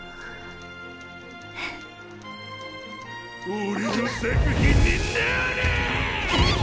俺の作品になれぇぇ！！